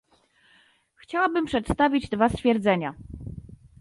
Chciałabym przedstawić dwa stwierdzenia